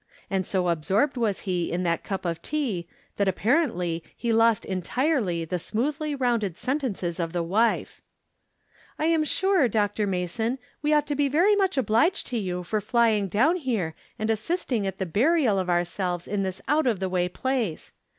And so absorbed was he in that cup of tea that ap parently he lost entirely the smoothly rounded sentences of the wife. " I am sure. Dr. Mason, we ought to be very much obliged to you for flying down here and assisting at the burial of ourselves in this out of the way place.